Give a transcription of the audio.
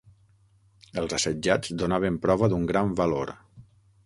Els assetjats donaven prova d'un gran valor.